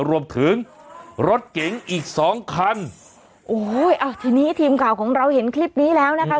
รวมถึงรถเก๋งอีกสองคันโอ้ยอ้าวทีนี้ทีมข่าวของเราเห็นคลิปนี้แล้วนะคะ